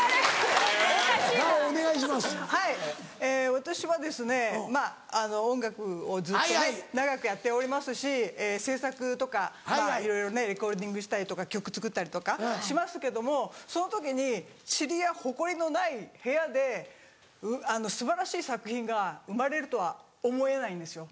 私は音楽をずっと長くやっておりますし制作とかいろいろねレコーディングしたりとか曲作ったりとかしますけどもその時にチリやホコリのない部屋で素晴らしい作品が生まれるとは思えないんですよ。